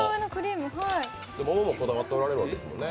桃もこだわっておられるんですよね？